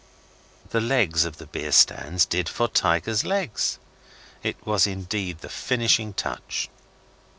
The legs of the beer stands did for tigers' legs. It was indeed the finishing touch.